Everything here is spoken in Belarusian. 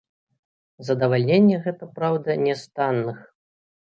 Задавальненне гэта, праўда, не з танных.